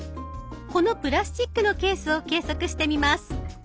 このプラスチックのケースを計測してみます。